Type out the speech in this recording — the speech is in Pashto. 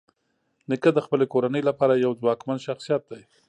نیکه د خپلې کورنۍ لپاره یو ځواکمن شخصیت دی.